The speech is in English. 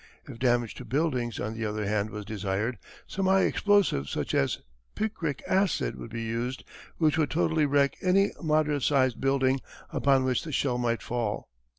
If damage to buildings, on the other hand, was desired, some high explosive such as picric acid would be used which would totally wreck any moderate sized building upon which the shell might fall.